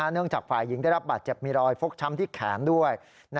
จากฝ่ายหญิงได้รับบาดเจ็บมีรอยฟกช้ำที่แขนด้วย